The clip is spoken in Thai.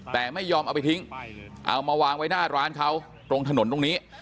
แต่ไม่ยอมเอาไปทิ้งเอามาวางไว้หน้าร้านเขาตรงถนนตรงนี้